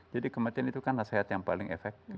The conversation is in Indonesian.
jadi kematian itu kan nasihat yang paling efektif